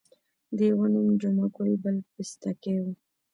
د یوه نوم جمعه ګل بل پستکی وو.